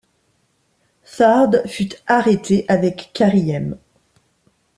Fard fut arrêté avec Karriem.